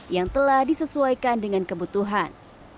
yang telah disesuaikan dengan kebutuhan